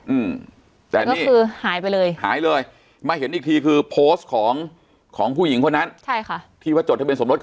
อุหืมแต่ละคือหายไปเลยหายเลยมาเห็นอีกทีคือโพสท์ของของผู้หญิงของนั้นให้ค่ะที่จะจดเป็นสมรส